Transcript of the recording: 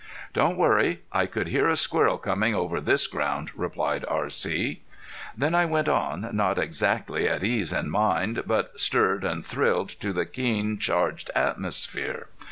"Don't worry. I could hear a squirrel coming over this ground," replied R.C. Then I went on, not exactly at ease in mind, but stirred and thrilled to the keen charged atmosphere.